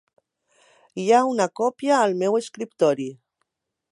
Hi ha una còpia al meu escriptori.